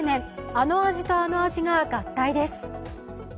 あの味とあの味が合体です。